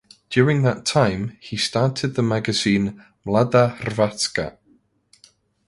During that time he started the magazine "Mlada Hrvatska".